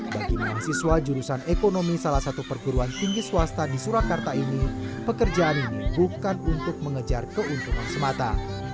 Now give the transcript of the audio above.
bagi mahasiswa jurusan ekonomi salah satu perguruan tinggi swasta di surakarta ini pekerjaan ini bukan untuk mengejar keuntungan semata